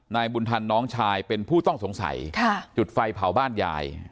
นายบุญธรรมน้องชายเป็นผู้ต้องสงสัยจุดไฟเผาบ้านยาย